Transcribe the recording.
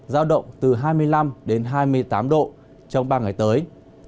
giao động từ hai mươi năm đến hai mươi tám độ trong ba ngày tới